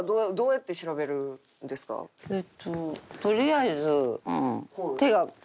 えっととりあえず。